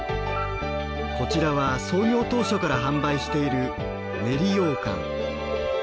こちらは創業当初から販売している練りようかん。